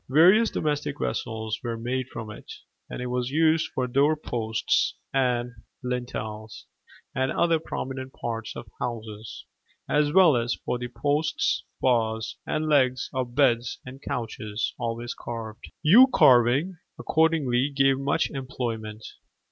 Various domestic vessels were made from it, and it was used for doorposts and lintels and other prominent parts of houses, as well as for the posts, bars, and legs of beds and couches, always carved. Yew carving accordingly gave much employment.